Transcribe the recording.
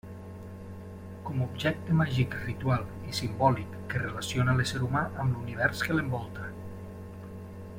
Com objecte màgic ritual i simbòlic que relaciona a l'ésser humà amb l'univers que l'envolta.